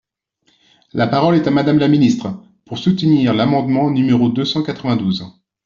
La parole est à Madame la ministre, pour soutenir l’amendement numéro deux cent quatre-vingt-douze.